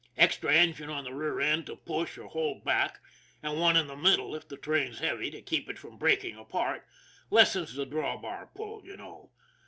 Extra engine on the rear end to push or hold back, and one in the middle if the train's heavy, to keep it from breaking apart lessens the drawbar pull, you know.